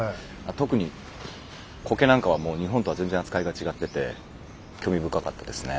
特に苔なんかはもう日本とは全然扱いが違ってて興味深かったですね。